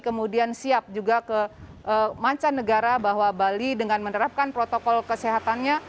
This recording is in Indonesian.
kemudian siap juga ke mancanegara bahwa bali dengan menerapkan protokol kesehatannya